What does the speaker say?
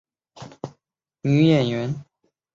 安藤希是日本的女演员。